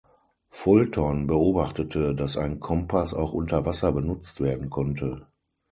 Fulton beobachtete, dass ein Kompass auch unter Wasser benutzt werden konnte.